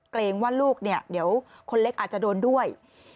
เกรงว่าลูกเนี่ยเดี๋ยวคนเล็กอาจจะโดนด้วย